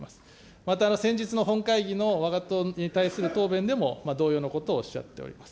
また先日の本会議のわが党に対する答弁でも、同様のことをおっしゃっております。